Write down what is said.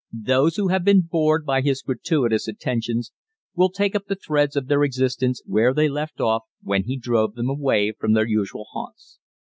Those who have been bored by his gratuitous attentions will take up the threads of their existence where they left off when he drove them away from their usual haunts.